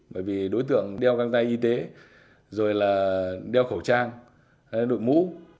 bởi vì đối tượng đeo căng tay y tế rồi là đeo khẩu trang đổi mũ